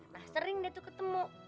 nah sering deh tuh ketemu